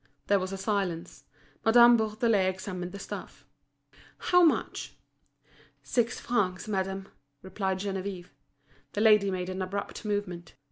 There was a silence. Madame Bourdelais examined the stuff. "How much?" "Six francs, madame," replied Geneviève. The lady made an abrupt movement.